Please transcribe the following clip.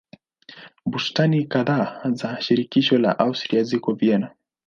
Bustani kadhaa za shirikisho la Austria ziko Vienna.